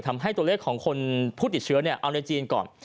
ทำให้ตัวเลขของคนผู้ติดเชื้อเอาในจีนก่อน